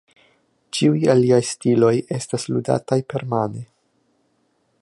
Ĉiuj aliaj stiloj estas ludataj permane.